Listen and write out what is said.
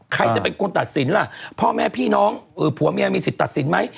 ใครจะเป็นคนตัดสินล่ะพ่อแม่พี่น้องผัวเมียมีสิทธิ์ตัดสินไหม